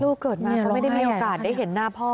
เกิดมาก็ไม่ได้มีโอกาสได้เห็นหน้าพ่อ